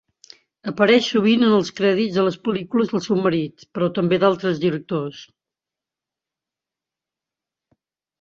Apareix sovint en els crèdits de les pel·lícules del seu marit, però també d'altres directors.